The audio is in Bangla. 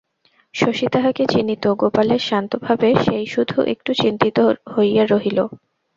শশী তাহাকে চিনিত, গোপালের শান্তভাবে সেই শুধু একটু চিন্তিত হইয়া রহিল।